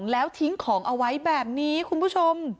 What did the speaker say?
แล้วทิ้งของเอาไว้แบบนี้คุณผู้ชม